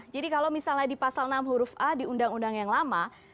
jadi kalau misalnya di pasal enam huruf a di undang undang yang lama